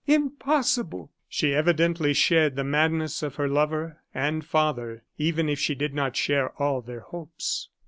Impossible!" She evidently shared the madness of her lover and father, even if she did not share all their hopes.